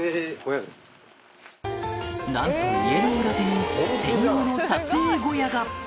なんと家の裏手に専用の撮影小屋が！